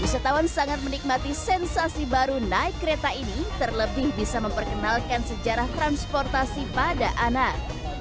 wisatawan sangat menikmati sensasi baru naik kereta ini terlebih bisa memperkenalkan sejarah transportasi pada anak